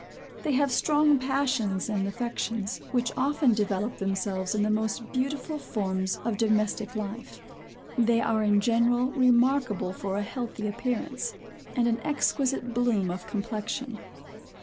They have strong passions and affections, which often develope themselves in the most beautiful forms of domestic life. They are in general remarkable for a healthy appearance, and an exquisite bloom of complexion.